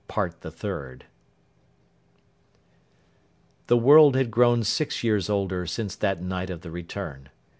Part the Third THE world had grown six years older since that night of the return.